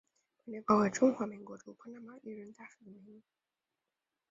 本列表为中华民国驻巴拿马历任大使的名录。